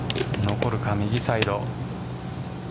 残るか右サイド。